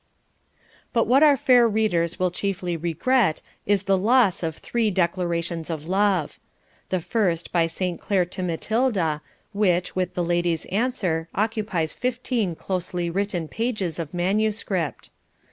But what our fair readers will chiefly regret is the loss of three declarations of love; the first by Saint Clere to Matilda; which, with the lady's answer, occupies fifteen closely written pages of manuscript.